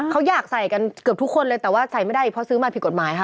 เขาอยากใส่กันเกือบทุกคนเลยแต่ว่าใส่ไม่ได้เพราะซื้อมาผิดกฎหมายค่ะ